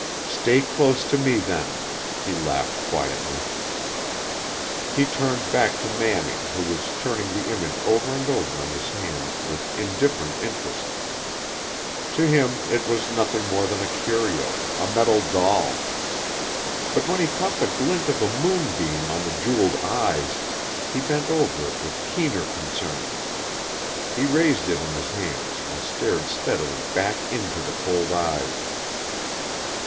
"Stay close to me then," he laughed quietly. He turned back to Manning who was turning the image over and over in his hands with indifferent interest. To him it was nothing more than a curio a metal doll. But when he caught the glint of a moonbeam on the jeweled eyes, he bent over it with keener concern. He raised it in his hands and stared steadily back into the cold eyes.